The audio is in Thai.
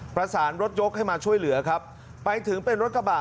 ประสานรถยกให้มาช่วยเหลือครับไปถึงเป็นรถกระบะ